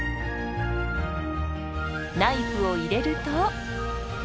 ナイフを入れると。